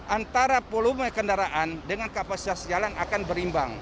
antara volume kendaraan dengan kapasitas jalan akan berimbang